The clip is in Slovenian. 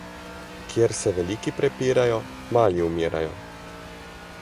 Kjer se veliki prepirajo, mali umirajo.